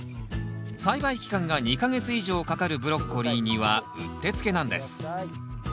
栽培期間が２か月以上かかるブロッコリーにはうってつけなんです。